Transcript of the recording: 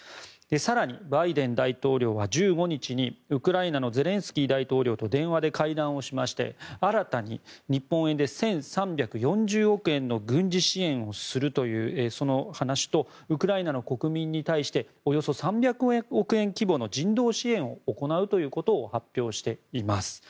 更に、バイデン大統領は１５日にウクライナのゼレンスキー大統領と電話で会談をしまして新たに日本円で１３４０億円の軍事支援をするというその話とウクライナの国民に対しておよそ３００億円規模の人道支援を行うということを発表しています。